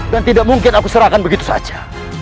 dan tidak mungkin aku serahkan begitu saja